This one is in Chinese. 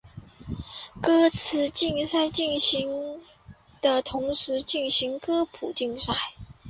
歌词竞赛进行的同时举行了歌谱竞赛。